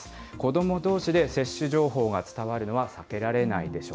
子どもどうしで接種情報が伝わるのは避けられないでしょう。